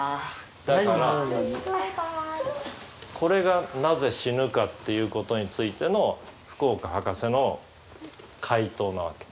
だからこれがなぜ死ぬかっていうことについての福岡ハカセの回答なわけ。